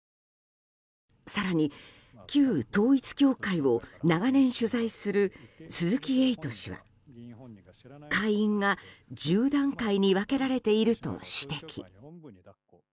更に、旧統一教会を長年取材する鈴木エイト氏は会員が１０段階に分けられていると指摘。